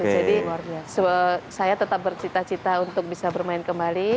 jadi saya tetap bercita cita untuk bisa bermain kembali